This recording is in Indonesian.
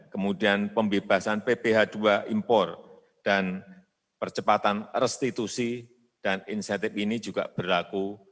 kemudian pembebasan pph dua impor dan percepatan restitusi dan insentif ini juga berlaku